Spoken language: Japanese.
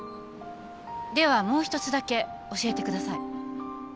ではもう一つだけ教えてください。